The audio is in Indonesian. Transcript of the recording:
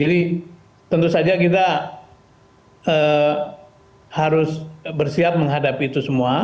jadi tentu saja kita harus bersiap menghadapi itu semua